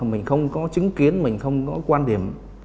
mình không có chứng kiến mình không có quan điểm